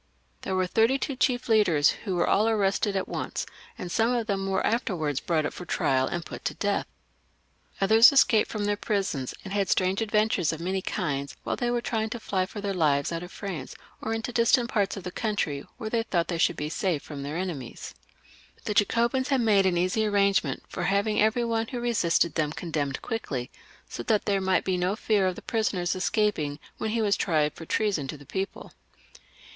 There were thirty two chief leaders, who were aU arrested at once, and some of them were afterwards brought up for trial, and put to death. Others escaped from their prisons and had strange adventures of many kinds while they were trying to fly for their lives out of France, or into distant parts of the country, where they thought they should be safe from their enemiea The Jacobins had made an easy arrangement for having every one who resisted them condemned quickly, so that there might be no fear of the prisoner escaping when he was tried for treason to the people.